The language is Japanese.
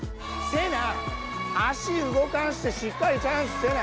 足動かしてしっかりチャンスせな。